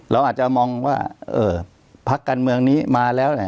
เราอาจจะมองว่าเออพักกันเมืองนี้มาแล้ว